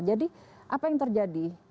jadi apa yang terjadi